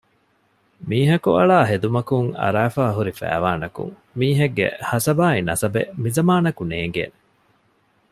މީހަކު އަޅާ ހެދުމަކުން އަރާފައި ހުންނަ ފައިވާނަކުން މީހެއްގެ ހަސަބާއި ނަސަބެއް މިޒަމާނަކު ނޭންގޭނެ